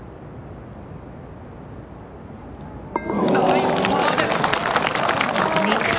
ナイスパーです！